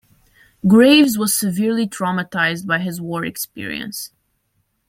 Graves was severely traumatised by his war experience.